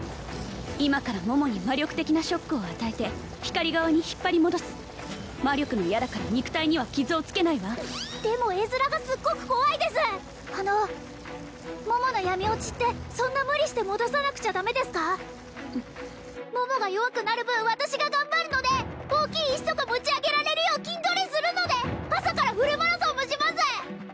今から桃に魔力的なショックを与えて光側に引っ張り戻す魔力の矢だから肉体には傷をつけないわでも絵面がすっごく怖いですあの桃の闇堕ちってそんな無理して戻さなくちゃダメですか桃が弱くなる分私が頑張るので大きい石とか持ち上げられるよう筋トレするので朝からフルマラソンもします